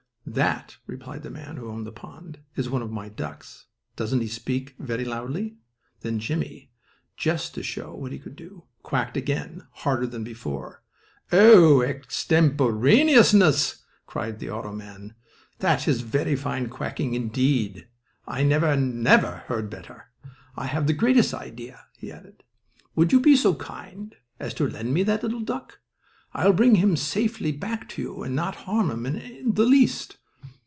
"That," replied the man who owned the pond, "is one of my ducks. Doesn't he speak very loudly?" Then Jimmie, just to show what he could do, quacked again, harder than before. "Oh, extemporaneousness!" cried the auto man. "That is very fine quacking, indeed. I never heard better. I have the greatest idea," he added. "Would you be so kind as to lend me that little duck? I will bring him safely back to you and not harm him in the least."